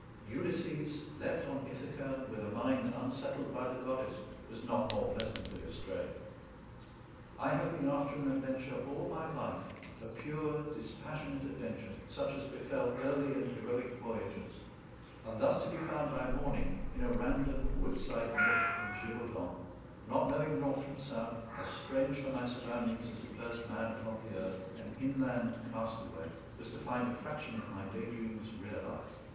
Ulysses, left on Ithaca, and with a mind unsettled by the goddess, was not more pleasantly astray. I have been after an adventure all my life, a pure dispassionate adventure, such as befell early and heroic voyagers; and thus to be found by morning in a random woodside nook in Gévaudan not knowing north from south, as strange to my surroundings as the first man upon the earth, an inland castaway was to find a fraction of my daydreams realized.